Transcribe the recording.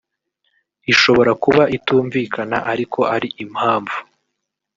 ishobora kuba itumvikana ariko ari impamvu